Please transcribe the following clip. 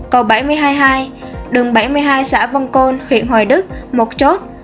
cầu bảy mươi hai hai đường bảy mươi hai xã vân côn huyện hồi đức một chốt